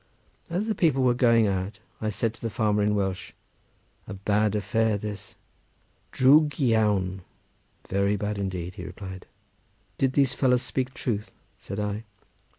As the people were going out I said to the farmer in Welsh, "A bad affair this." "Drwg iawn—very bad indeed," he replied. "Did those fellows speak truth?" said I.